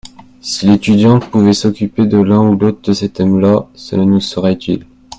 si l'étudiante pouvait s'occuper de l'un ou l'autre de ces thèmes-là cela nous serait utile.